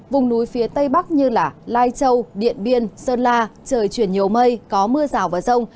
vùng núi phía tây bắc như lai châu điện biên sơn la trời chuyển nhiều mây có mưa rào và rông